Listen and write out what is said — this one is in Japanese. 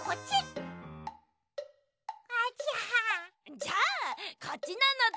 じゃあこっちなのだ。